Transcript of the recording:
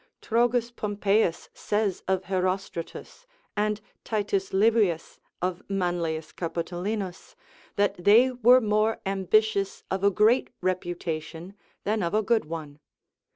Trogus Pompeius says of Herostratus, and Titus Livius of Manlius Capitolinus, that they were more ambitious of a great reputation than of a good one.